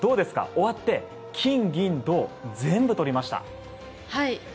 終わって金銀銅、全部取りました。